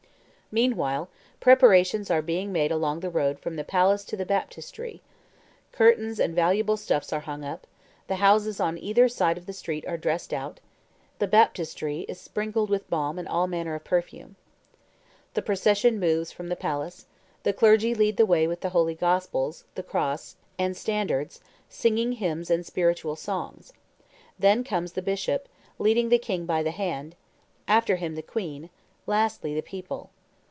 ... Meanwhile preparations are being made along the road from the palace to the baptistery; curtains and valuable stuffs are hung up; the houses on either side of the street are dressed out; the baptistery is sprinkled with balm and all manner of perfume. The procession moves from the palace; the clergy lead the way with the holy gospels, the cross, and standards, singing hymns and spiritual songs; then comes the bishop, leading the king by the hand; after him the queen, lastly the people.